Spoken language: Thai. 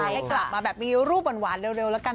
ให้กลับมาแบบมีรูปหวานเร็วแล้วกัน